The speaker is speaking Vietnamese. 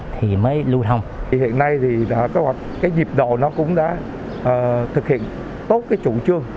thì mới lưu thông